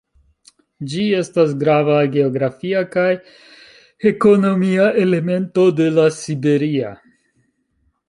Ĝi estas grava geografia kaj ekonomia elemento de La Siberia.